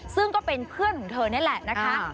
ซึ่งก็เป็นเพื่อนของเธอนี่แหละนะคะ